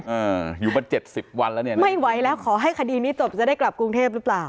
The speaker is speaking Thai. อ่าอยู่มาเจ็ดสิบวันแล้วเนี่ยไม่ไหวแล้วขอให้คดีนี้จบจะได้กลับกรุงเทพหรือเปล่า